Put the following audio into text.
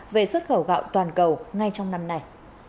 về xuất khẩu gạo toàn cầu ngay trong năm nay